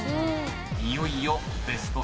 ［いよいよベスト３です］